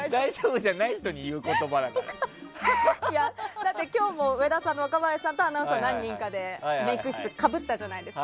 だって今日も上田さんと若林さんとアナウンサー何人かでメイク室被ったじゃないですか。